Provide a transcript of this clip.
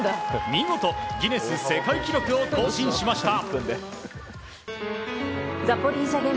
見事ギネス世界記録を更新しました。